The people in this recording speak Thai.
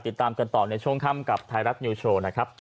ติดตามกันต่อในช่วงค่ำกับไทยรัฐนิวโชว์นะครับ